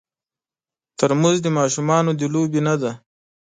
ترموز د ماشومانو د لوبې نه دی.